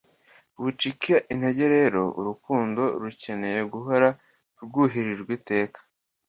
Wicika intege rero urukundo rukeneye guhora rwuhirirwa iteka.